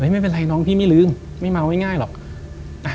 ไม่เป็นไรน้องพี่ไม่ลืมไม่เมาง่ายหรอก